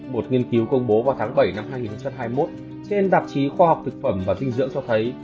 một nghiên cứu công bố vào tháng bảy năm hai nghìn hai mươi một trên tạp chí khoa học thực phẩm và dinh dưỡng cho thấy